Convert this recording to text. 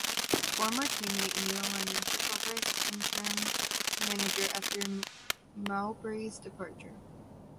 Former teammate Neil Lennon took over as interim manager after Mowbray's departure.